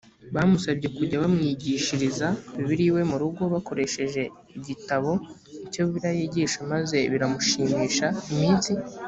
bamusabye kujya bamwigishiriza bibiliya iwe mu rugo bakoresheje igitabo icyo bibiliya yigisha maze biramushimisha iminsi